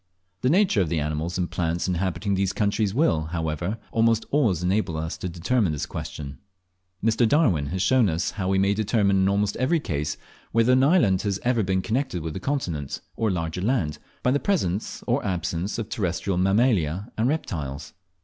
The nature of the animals and plants inhabiting these countries will, however, almost always enable us to determine this question. Mr. Darwin has shown us how we may determine in almost every case, whether an island has ever been connected with a continent or larger land, by the presence or absence of terrestrial Mammalia and reptiles.